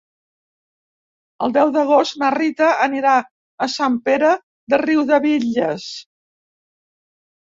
El deu d'agost na Rita anirà a Sant Pere de Riudebitlles.